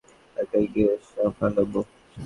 একাই গিয়ে সামলাবো।